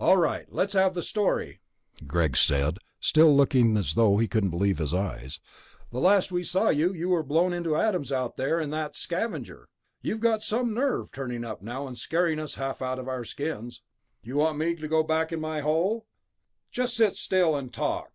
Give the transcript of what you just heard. "All right, let's have the story," Greg said, still looking as though he couldn't believe his eyes. "The last we saw, you were blown into atoms out there in that Scavenger ... you've got some nerve turning up now and scaring us half out of our skins...." "You want me to go back in my hole?" "Just sit still and talk!"